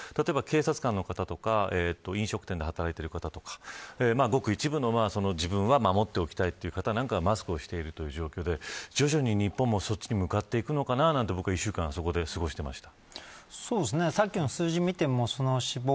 警察官の方や飲食店で働いている方やごく一部の自分は守っておきたい方はマスクをしている状況で徐々に日本もそっちに向かっていくのかなと、僕は１週間そこで過ごして思いました。